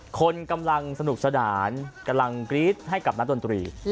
คนกำลังสนุกสนานกำลังกรี๊ดให้กับนักดนตรี